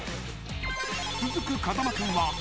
［続く風間君は］